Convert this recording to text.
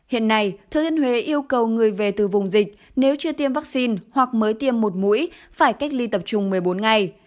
hiện nay thừa thiên huế yêu cầu người về từ vùng dịch nếu chưa tiêm vaccine hoặc mới tiêm một mũi phải cách ly tập trung một mươi bốn ngày